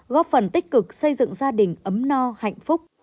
góp phần tích cực xây dựng gia đình ấm no hạnh phúc